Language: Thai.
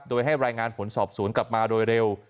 โดยให้รายงานผลสอบสวนกลับมาโดยเร็ว